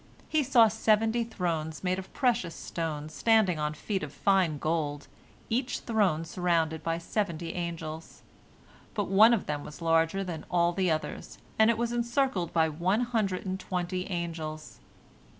He saw seventy thrones made of precious stones, standing on feet of fine gold, each throne surrounded by seventy angels. But one of them was larger than all the others, and it was encircled by one hundred and twenty angels.